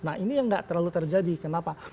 nah ini yang nggak terlalu terjadi kenapa